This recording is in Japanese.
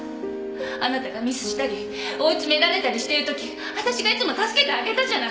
あなたがミスしたり追い詰められたりしているとき私がいつも助けてあげたじゃない！